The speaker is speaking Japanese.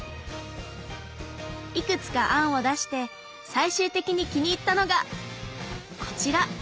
いくつか案を出して最終的に気に入ったのがこちら！